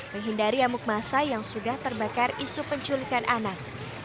menghindari amuk masa yang sudah terbakar isu penculikan anak